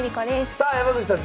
さあ山口さん